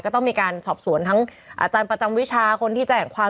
ก็ต้องมีการสอบสวนทั้งอาจารย์ประจำวิชาคนที่แจ้งความ